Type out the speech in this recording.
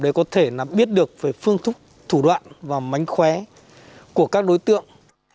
đấy có thể là biết được về phương thức thủ đoạn và mánh khóe của các đối tượng